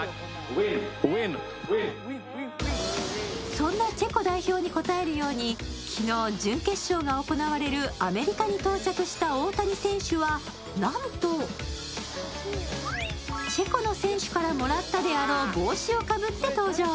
そんなチェコ代表に応えるように準決勝が行われるアメリカに到着した大谷選手はなんとチェコの選手からもらったであろう帽子をかぶって登場。